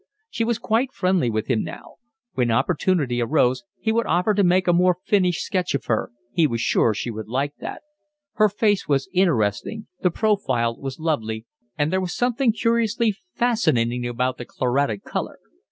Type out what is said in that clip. She was quite friendly with him now. When opportunity arose he would offer to make a more finished sketch of her, he was sure she would like that; her face was interesting, the profile was lovely, and there was something curiously fascinating about the chlorotic colour.